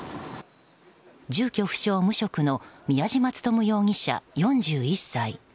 住居不詳・無職の宮嶋力容疑者、４１歳。